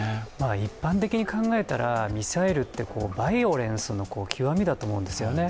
一般的に考えたらミサイルってバイオレンスの極みだと思うんですね。